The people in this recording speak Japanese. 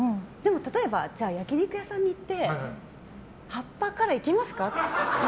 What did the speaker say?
例えばじゃあ焼き肉屋さんに行って葉っぱからいけますか？